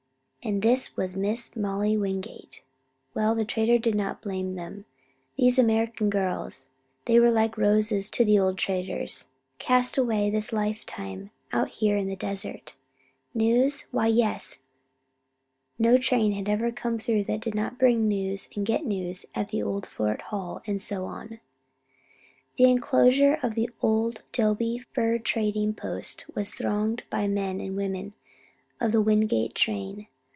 And this was Miss Molly Wingate? Well, the trader did not blame them! These American girls! They were like roses to the old traders, cast away this lifetime out here in the desert. News? Why, yes, no train ever came through that did not bring news and get news at old Fort Hall and so on. The inclosure of the old adobe fur trading post was thronged by the men and women of the Wingate train.